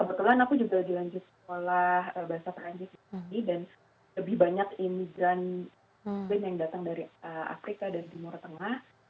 kebetulan aku juga lagi lanjut sekolah bahasa perancis di sini dan lebih banyak imigran muslim yang datang dari afrika dan timur tengah